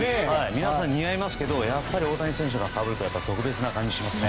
皆さん、似合いますが大谷選手がかぶると特別な感じがしますね。